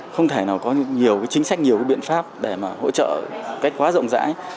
không thể nào có nhiều chính sách nhiều cái biện pháp để mà hỗ trợ cách quá rộng rãi